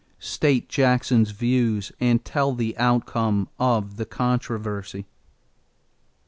State Jackson's views and tell the outcome of the controversy.